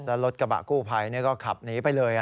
แล้วรถกระบะกู้ภัยก็ขับหนีไปเลย